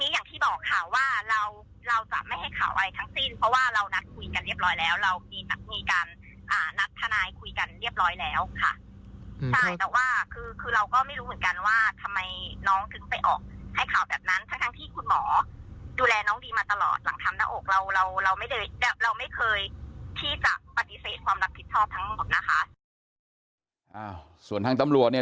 ใช่แต่ว่าคือเราก็ไม่รู้เหมือนกันว่าทำไมน้องถึงไปออกให้ข่าวแบบนั้น